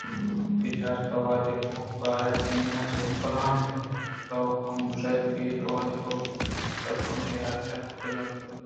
بچار! تو وہدے کمکار چدان چہ گلّینت اَنتءُتو ہم گوٛشت کہ اے دُرٛاہ تو پہ منی حاتراکُتگ اَنت